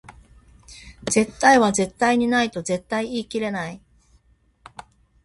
絶対は絶対にないとは絶対言い切れない